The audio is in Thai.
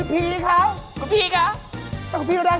ทำปิ้งให้รัก